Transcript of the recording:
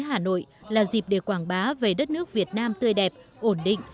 hà nội là dịp để quảng bá về đất nước việt nam tươi đẹp ổn định